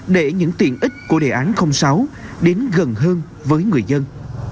để những tiện ích của đề án sáu đến gần hơn với người dân